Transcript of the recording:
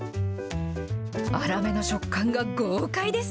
粗めの食感が豪快です。